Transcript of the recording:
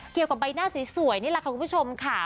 เกี่ยวกับใบหน้าสวยนี่แหละค่ะคุณผู้ชมค่ะ